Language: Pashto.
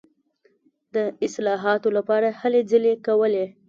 د اصلاحاتو لپاره هلې ځلې کولې.